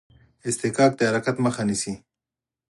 اصطکاک د حرکت مخه نیسي.